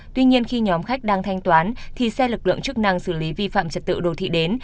tuy nhiên khi nhóm khách đang thanh toán thì xe lực lượng chức năng xử lý vi phạm trật tự đô thị đến